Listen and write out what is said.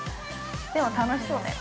でも、楽しそうだよ。